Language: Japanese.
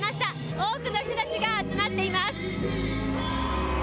多くの人たちが集まっています。